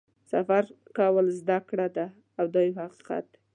سفر کول زده کړه ده دا یو حقیقت دی.